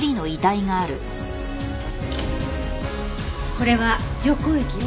これは除光液よ。